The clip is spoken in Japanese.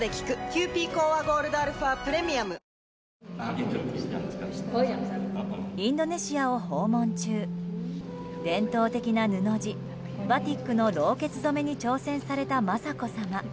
ニトリインドネシアを訪問中伝統的な布地、バティックのろうけつ染めに挑戦された雅子さま。